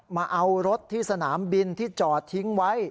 มาเอารถที่สนามบินที่จอดทิ้งไว้